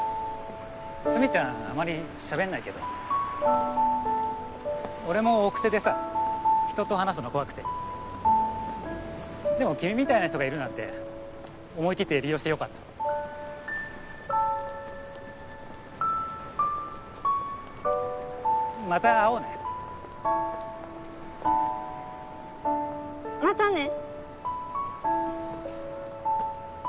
墨ちゃんあまりしゃべんないけど俺も奥手でさ人と話すの怖くてでも君みたいな人がいるなんて思い切って利用してよかったまた会おうねまたね